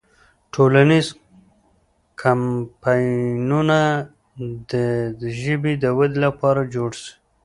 ټولنیز کمپاینونه دې د ژبې د ودې لپاره جوړ سي.